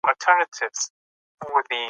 ډاکټر میلرډ وايي، لمریز نظام لا هم فعال دی.